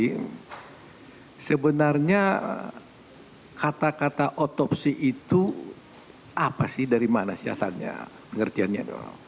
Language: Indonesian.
jadi sebenarnya kata kata otopsi itu apa sih dari mana siasatnya pengertiannya